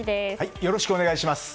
よろしくお願いします。